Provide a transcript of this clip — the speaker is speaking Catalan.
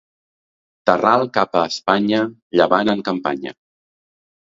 Terral cap a Espanya, llevant en campanya.